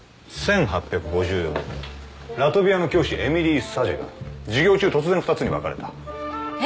１８５４年ラトビアの教師エミリー・サジェが授業中突然２つに分かれたえっ？